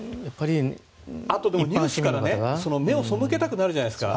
あとニュースから目をそむけたくなるじゃないですか。